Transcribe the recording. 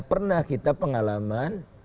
nah pernah kita pengalaman